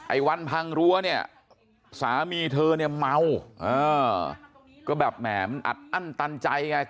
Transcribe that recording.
ไอวันพังรั้วเนี่ยสามีเธอเนี่ยเมาเออก็แบบแหมมันอัดอั้นตันใจไง